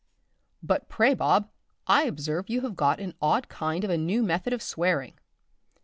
_ But pray, Bob, I observe you have got an odd kind of a new method of swearing.